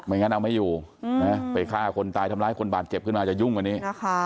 งั้นเอาไม่อยู่ไปฆ่าคนตายทำร้ายคนบาดเจ็บขึ้นมาจะยุ่งกว่านี้